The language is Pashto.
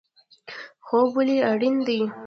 خوب ولې اړین دی؟